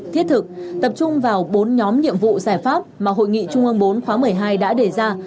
thiết thực tập trung vào bốn nhóm nhiệm vụ giải pháp mà hội nghị trung ương bốn khóa một mươi hai